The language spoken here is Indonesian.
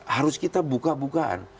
harus kita buka bukaan